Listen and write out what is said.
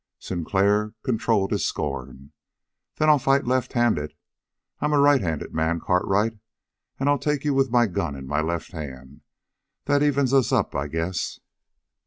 Sinclair controlled his scorn. "Then I'll fight left handed. I'm a right handed man, Cartwright, and I'll take you with my gun in my left hand. That evens us up, I guess."